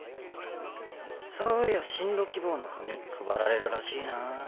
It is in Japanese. そういや進路希望の紙配られるらしいな。